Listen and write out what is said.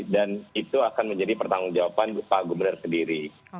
dan itu akan menjadi pertanggung jawaban pak gubernur sendiri